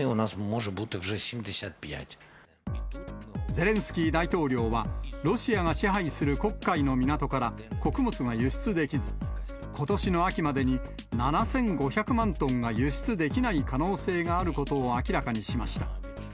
ゼレンスキー大統領は、ロシアが支配する黒海の港から穀物が輸出できず、ことしの秋までに７５００万トンが輸出できない可能性があることを明らかにしました。